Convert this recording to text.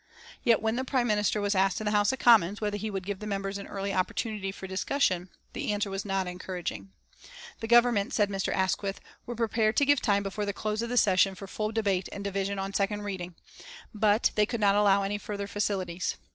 Yet when the Prime Minister was asked in the House of Commons whether he would give the members an early opportunity for discussion, the answer was not encouraging. The Government, said Mr. Asquith, were prepared to give time before the close of the session for full debate and division on second reading, but they could not allow any further facilities.